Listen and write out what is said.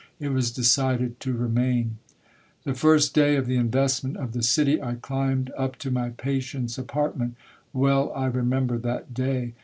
It was decided to remain. '' The first day of the investment of the city, I climbed up to my patient's apartment. Well I remember that day